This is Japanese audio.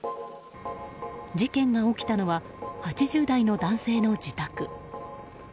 事件が起きたのは８０代の男性の自宅。